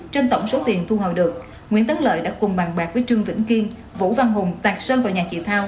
trên tổng số tiền thu hoàn được nguyễn tấn lợi đã cùng bàn bạc với trương vĩnh kiên vũ văn hùng tạc sơn vào nhà chị thao